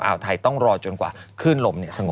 อ้าวไทยต้องรอจนกว่าขึ้นลมสงบ